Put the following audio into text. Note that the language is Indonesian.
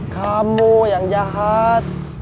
kamu yang jahat